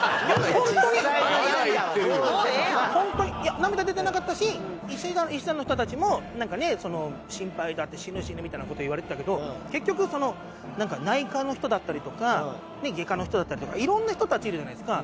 いや涙出てなかったし医師団の人たちもなんかね「心配だ」って「死ぬ死ぬ」みたいな事を言われてたけど結局内科の人だったりとかね外科の人だったりとか色んな人たちいるじゃないですか。